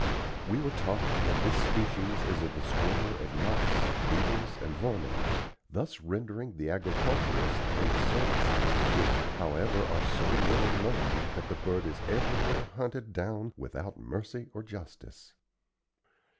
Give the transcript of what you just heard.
We were taught that this species is a destroyer of mice, beetles, and vermin, thus rendering the agriculturist great services, which, however are so little known that the bird is everywhere hunted down without mercy or justice.